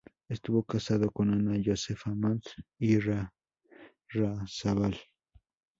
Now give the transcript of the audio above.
Estuvo casado con Ana Josefa Montt Irarrázaval.